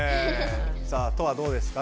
さあトアどうですか？